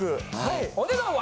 お値段は！